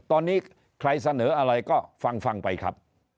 ตอนนี้ใครเสนออะไรก็ฟังไปครับ